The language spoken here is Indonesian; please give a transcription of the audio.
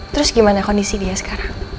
terus gimana kondisi dia sekarang